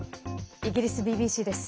イギリスＢＢＣです。